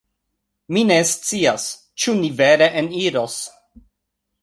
Mi ne scias, ĉu ni vere eniros